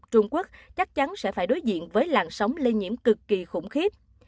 trung quốc chắc chắn sẽ phải đối diện với làn sóng lây nhiễm cực kỳ khủng khiếp